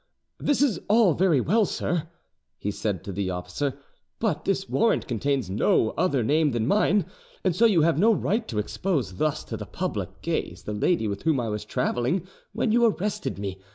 "This is all very well, sir," he said to the officer, "but this warrant contains no other name than mine, and so you have no right to expose thus to the public gaze the lady with whom I was travelling when you arrested me.